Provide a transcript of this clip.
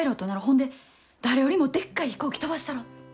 ほんで誰よりもでっかい飛行機飛ばしたろ。